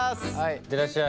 行ってらっしゃい。